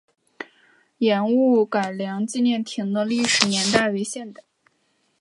盐务改良纪念亭的历史年代为现代。